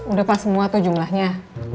udah pas semua tuh jumlahnya